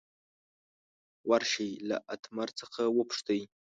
ور شئ له اتمر څخه وپوښتئ.